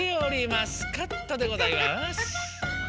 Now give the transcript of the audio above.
マスカットでございます。